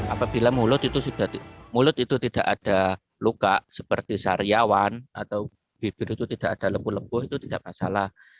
apabila mulut itu tidak ada luka seperti sariawan atau bibir itu tidak ada lempuh lempuh itu tidak masalah